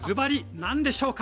何でしょうか？